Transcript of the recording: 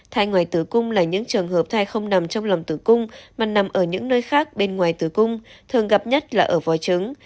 thai ngoài tử cung là những trường hợp thai không nằm trong lòng tử cung mà nằm ở những nơi khác bên ngoài tử cung thường gặp nhất là ở vòi trứng